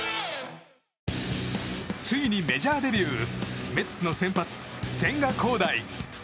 ついにメジャーデビューメッツの先発、千賀滉大。